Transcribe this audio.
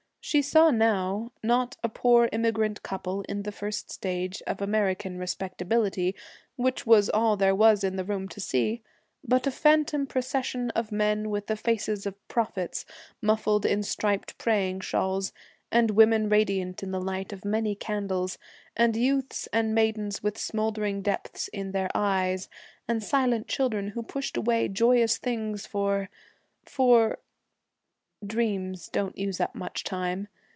She saw now, not a poor immigrant couple in the first stage of American respectability, which was all there was in the room to see, but a phantom procession of men with the faces of prophets, muffled in striped praying shawls, and women radiant in the light of many candles, and youths and maidens with smouldering depths in their eyes, and silent children who pushed away joyous things for for Dreams don't use up much time.